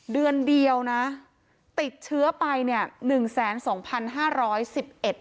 เดือนเดียวนะติดเชื้อไปเนี่ย